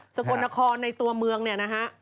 กลนครในตัวเมืองเนี่ยนะฮะ